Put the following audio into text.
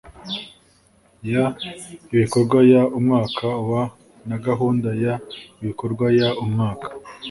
Y ibikorwa y umwaka wa na gahunda y ibikorwa y umwaka